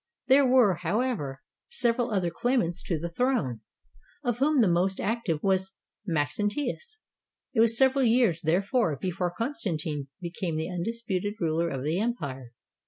There were, however, 528 CONSTANTINE THE GREAT several other claimants to the throne, of whom the most active was Maxentius. It was several years, therefore, before Constantine became the undisputed ruler of the empire.